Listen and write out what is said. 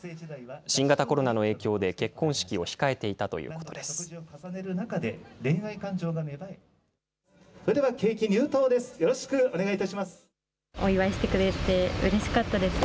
新型コロナの影響で結婚式を控えていたということです。